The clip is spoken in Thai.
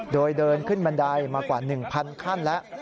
โดยเดินขึ้นบันไดมากว่า๑๐๐ขั้นแล้ว